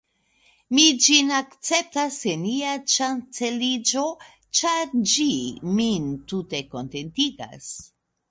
Mi ĝin akceptas sen ia ŝanceliĝo; ĉar ĝi min tute kontentigas.